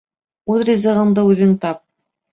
Үҙ ризығыңды үҙең тап.